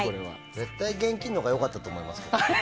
絶対現金のほうが良かったと思いますけどね。